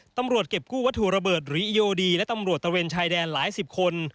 ตำรวจเก็บกู้วัตถุระเบิดหรือโยดีและตำรวจตะเวนชายแดนหลายสิบคน